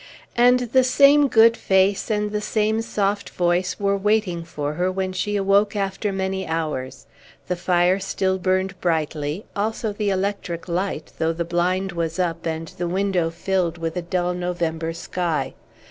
And the same good face and the same soft voice were waiting for her when she awoke after many hours; the fire still burned brightly, also the electric light, though the blind was up and the window filled with a dull November sky.